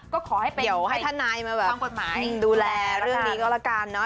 ก็ขอให้ทนายมาดูแลเรื่องนี้ก็แล้วกันเนาะ